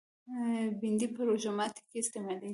بېنډۍ په روژه ماتي کې استعمالېږي